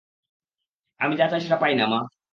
আমি যা চাই সেটা পাই না, মা।